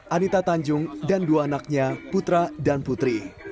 anita tanjung dan dua anaknya putra dan putri